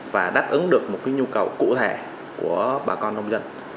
và đáp ứng được một nhu cầu cụ thể của bà con nông dân